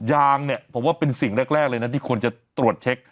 ยางเนี่ยผมว่าเป็นสิ่งแรกเลยนะที่ควรจะตรวจเช็ค